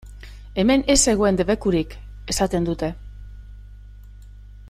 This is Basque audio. Hemen ez zegoen debekurik!, esaten dute.